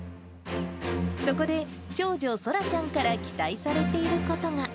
そこで長女、そらちゃんから期待されていることが。